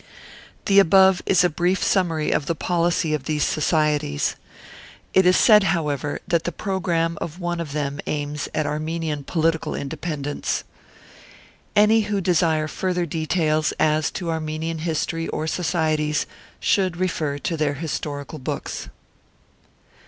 The above is a brief summary of the policy of these Societies. It is said, however, that the pro gramme of one of them aims at Armenian political independence. Any who desire further details as to Armenian his tory or societies should refer to their historical books.